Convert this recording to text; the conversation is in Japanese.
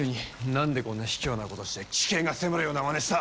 なんでこんな卑怯な事して危険が迫るようなまねした！